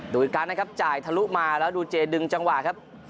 ดูอีกครั้งนะครับจ่ายทะลุมาแล้วดูเจดึงจังหวะครับ